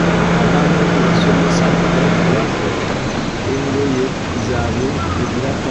Abamu ku basomesa bakuba engoye zaabwe ebiraka.